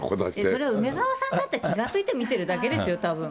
それは梅沢さんだって気が付いて見てるだけですよ、たぶん。